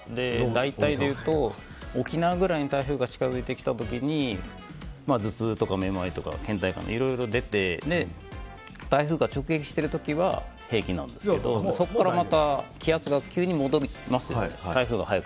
大体でいうと、沖縄ぐらいに台風が近づいてきた時に頭痛とかめまいとか倦怠感いろいろ出て台風が直撃してる時は平気なんですけどもそこからまた気圧が急に戻りますよね。